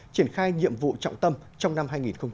triển khai nhiệm vụ trọng tâm trong năm hai nghìn hai mươi